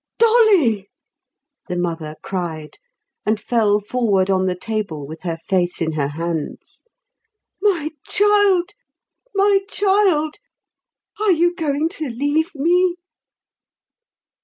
"Dolly!" the mother cried, and fell forward on the table with her face in her hands. "My child, my child, are you going to leave me?"